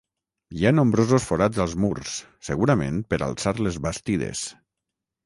Hi ha nombrosos forats als murs, segurament per alçar les bastides.